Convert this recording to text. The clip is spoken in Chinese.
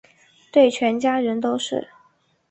对全家人都是